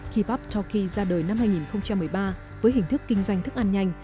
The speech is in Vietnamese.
kibap toki ra đời năm hai nghìn một mươi ba với hình thức kinh doanh thức ăn nhanh